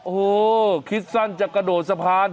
โอ้โหคิดสั้นจะกระโดดสะพาน